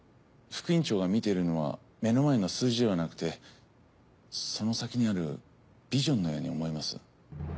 副院長が見てるのは目の前の数字ではなくてその先にあるビジョンのように思えます。